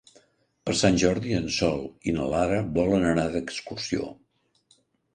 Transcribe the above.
Per Sant Jordi en Sol i na Lara volen anar d'excursió.